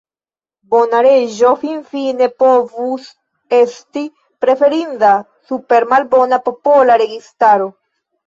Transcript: Bona reĝo finfine povus esti preferinda super malbona popola registaro.